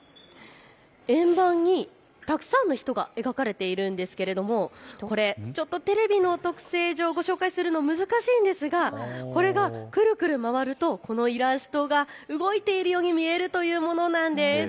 円盤にたくさんの人が描かれているんですがこれ、ちょっとテレビの特性上、ご紹介するのは難しいんですがこれがくるくる回るとこのイラストが動いているように見えるというものなんです。